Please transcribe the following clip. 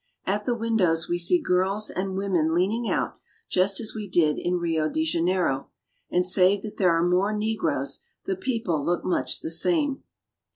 At the windows we see girls and women leaning out, just as we did in Rio de Janeiro, and, save that there are more negroes, the people look much the same.